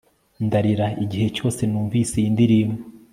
ndarira igihe cyose numvise iyi ndirimbo